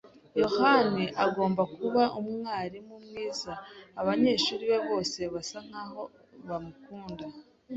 yohani agomba kuba umwarimu mwiza. Abanyeshuri be bose basa nkaho bamukunda.